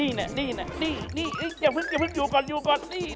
อย่าเพิ่งอยู่ก่อน